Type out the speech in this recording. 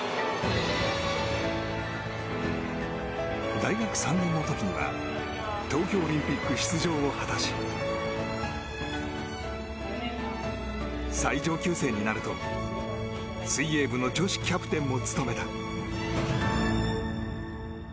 大学３年の時には東京オリンピック出場を果たし最上級生になると、水泳部の女子キャプテンも務めた。